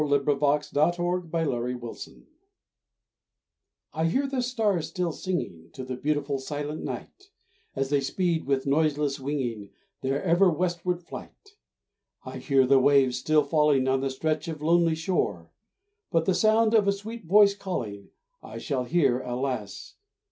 I HEAR THE STARS STILL SINGING I hear the stars still singing To the beautiful, silent night, As they speed with noiseless winging Their ever westward flight. I hear the waves still falling On the stretch of lonely shore, But the sound of a sweet voice calling I shall hear, alas!